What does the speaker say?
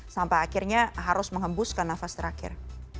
sampai akhirnya harus mengembuskan nafas terakhir